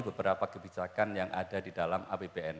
beberapa kebijakan yang ada di dalam apbn